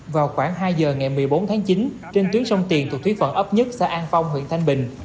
vào khoảng hai giờ ngày một mươi bốn tháng chín trên tuyến sông tiền thuộc tuyến phận ấp nhất xã an phong huyện thanh bình